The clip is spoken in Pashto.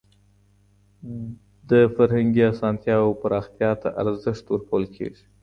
د فرهنګي اسانتياوو پراختيا ته ارزښت ورکول کيږي.